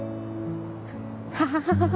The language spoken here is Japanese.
ハハハハハ！